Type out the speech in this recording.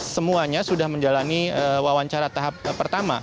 semuanya sudah menjalani wawancara tahap pertama